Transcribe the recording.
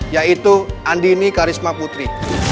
yaitu andi ini karisma putri